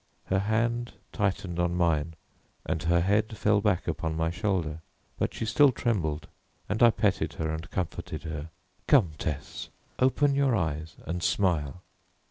Her hand tightened on mine and her head fell back upon my shoulder, but she still trembled and I petted her and comforted her. "Come, Tess, open your eyes and smile."